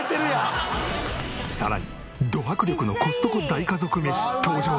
さらにど迫力のコストコ大家族メシ登場！